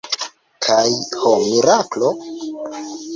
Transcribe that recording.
Kaj, ho miraklo!